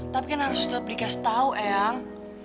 tapi kan harus kita beri kasih tau eyang